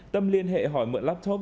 một mươi tâm liên hệ hỏi mượn laptop